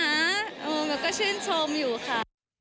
เออมันก็ชื่นชมอยู่ค่ะ